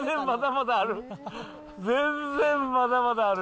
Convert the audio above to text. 全然まだまだある。